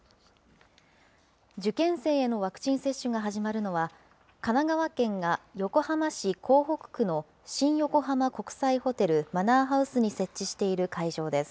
受験生へのワクチン接種が始まるのは、神奈川県が横浜市港北区の新横浜国際ホテルマナーハウスに設置している会場です。